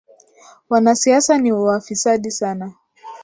Wanasiasa ni wafisadi sana